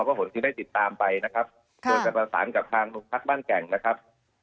ก็คนที่ได้ติดตามไปนะครับโดยสัญลักษณ์กับทางพลักษณ์บ้านแก่งนะครับ